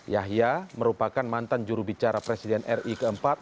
yahya merupakan mantan jurubicara presiden ri keempat